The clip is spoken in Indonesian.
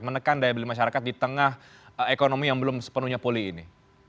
menekan daya beli masyarakat di tengah ekonomi yang belum sepenuhnya pulih ini